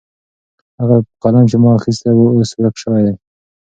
هغه قلم چې ما اخیستی و اوس ورک سوی دی.